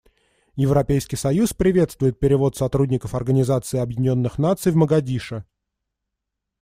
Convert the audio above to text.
Европейский союз приветствует перевод сотрудников Организации Объединенных Наций в Могадишо.